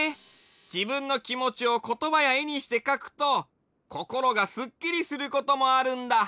じぶんのきもちをことばやえにしてかくとこころがスッキリすることもあるんだ。